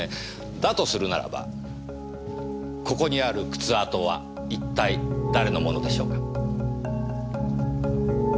だとするならばここにある靴跡は一体誰のものでしょうか？